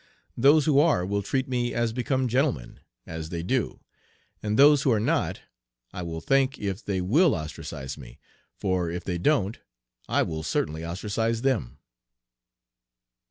Those who are will treat me as become gentlemen, as they do, and those who are not I will thank if they will "ostracize" me, for if they don't I will certainly "ostracize" them.